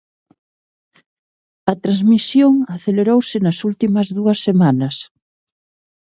A transmisión acelerouse nas últimas dúas semanas.